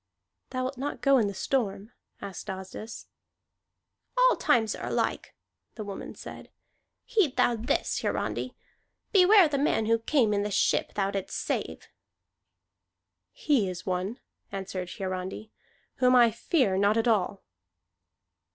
"Thou wilt not go in the storm?" asked Asdis. "All times are alike," the woman said. "Heed thou this, Hiarandi. Beware the man who came in the ship thou didst save!" "He is one," answered Hiarandi, "whom I fear not at all."